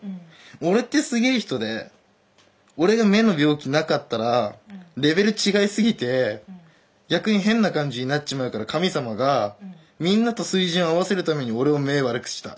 俺ってすげぇ人で俺が目の病気なかったらレベル違いすぎて逆に変な感じになっちまうから神様がみんなと水準を合わせるために俺の目悪くしたっていう捉え方をしてて。